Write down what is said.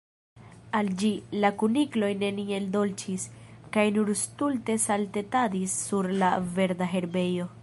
Al ĝi, la kunikloj neniel dolĉis, kaj nur stulte saltetadis sur la verda herbejo.